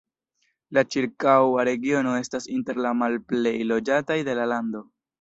La ĉirkaŭa regiono estas inter la malplej loĝataj de la lando.